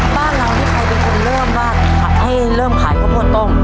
บ้านเรานี่ใครเป็นคนเริ่มว่าให้เริ่มขายข้าวโพดต้ม